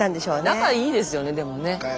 仲いいですよねでもね。